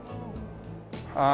ああ